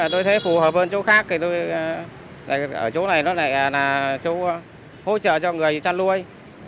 tôi thấy phù hợp hơn chỗ khác thì ở chỗ này là chỗ hỗ trợ cho người chăn nuôi